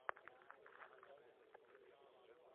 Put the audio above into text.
K dosažení tohoto cíle potřebujeme jen politickou vůli.